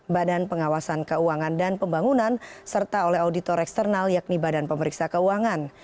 badan pengawasan keuangan dan pembangunan serta oleh auditor eksternal yakni badan pemeriksa keuangan